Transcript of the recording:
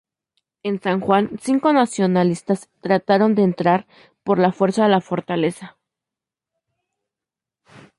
En San Juan cinco nacionalistas trataron de entrar por la fuerza a La Fortaleza.